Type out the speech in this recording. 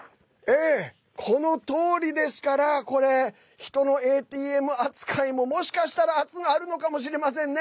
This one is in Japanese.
このとおりですから人のＡＴＭ扱いも、もしかしたらあるのかもしれませんね。